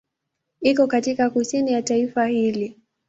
Iko katika kusini ya taifa hili.